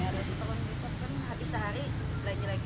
kalau besok kan habis sehari belanja lagi